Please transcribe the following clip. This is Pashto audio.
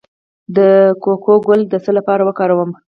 د کوکو ګل د څه لپاره وکاروم؟